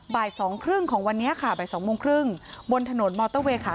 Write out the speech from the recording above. บ่าย๒๓๐ของวันนี้ค่ะบ่าย๒๓๐บนถนนมอเตอร์เวย์ค่ะ